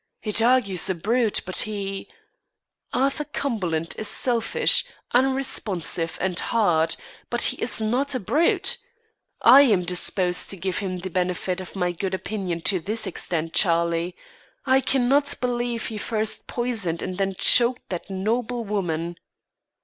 It argues a brute, but he " "Arthur Cumberland is selfish, unresponsive, and hard, but he is not a brute. I'm disposed to give him the benefit of my good opinion to this extent, Charlie; I cannot believe he first poisoned and then choked that noble woman."